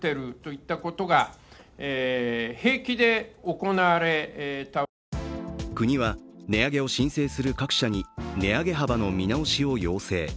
これに、河野大臣は国は値上げを申請する各社に値上げ幅の見直しを要請。